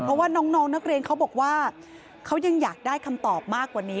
เพราะว่าน้องนักเรียนเขาบอกว่าเขายังอยากได้คำตอบมากกว่านี้